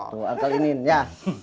tuh angkel ini nin ya